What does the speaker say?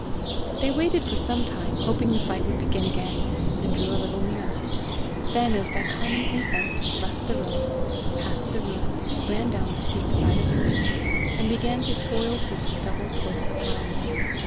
They waited for some time hoping the fight would begin again, and drew a little nearer; then, as by common consent, left the road, passed the ruin, ran down the steep side of the ridge, and began to toil through the stubble towards the ploughman.